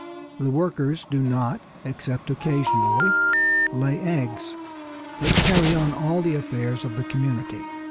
The workers do not, except occasionally, lay eggs, but carry on all the affairs of the community.